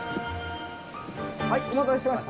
はいお待たせしました。